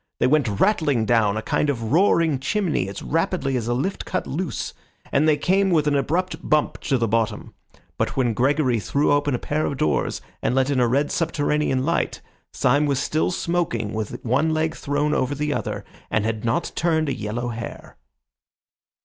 They went rattling down a kind of roaring chimney as rapidly as a lift cut loose, and they came with an abrupt bump to the bottom. But when Gregory threw open a pair of doors and let in a red subterranean light, Syme was still smoking with one leg thrown over the other, and had not turned a yellow hair.